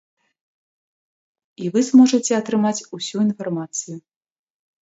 І вы зможаце атрымаць усю інфармацыю.